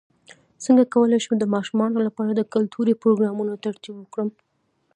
څنګه کولی شم د ماشومانو لپاره د کلتوري پروګرامونو ترتیب ورکړم